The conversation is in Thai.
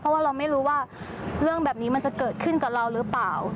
เพราะว่าเราไม่รู้ว่าเรื่องแบบนี้มันจะเกิดขึ้นกับเราหรือเปล่า